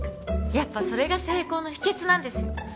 やっぱそれが成功の秘訣なんですよ。